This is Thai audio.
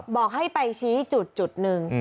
บอกให้ไปชี้จุดจุดหนึ่ง